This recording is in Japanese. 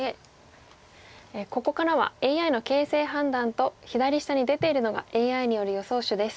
ここからはＡＩの形勢判断と左下に出ているのがＡＩによる予想手です。